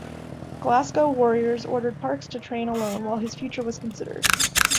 Glasgow Warriors ordered Parks to train alone while his future was considered.